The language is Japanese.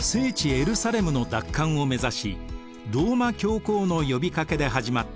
エルサレムの奪還を目指しローマ教皇の呼びかけで始まった十字軍。